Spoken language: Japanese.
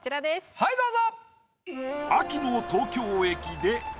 はいどうぞ！